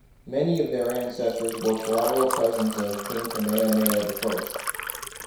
Many of their ancestors were collateral cousins of King Kamehameha the First.